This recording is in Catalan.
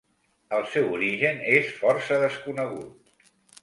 El seu origen és força desconegut.